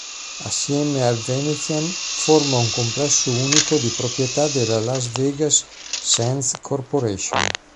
Assieme al Venetian forma un complesso unico di proprietà della Las Vegas Sands Corporation.